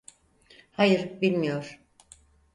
Hayır, bilmiyor.